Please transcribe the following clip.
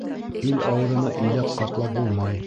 Ил ауыҙына иләк ҡаплап булмай.